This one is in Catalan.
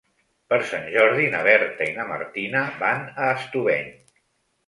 Per Sant Jordi na Berta i na Martina van a Estubeny.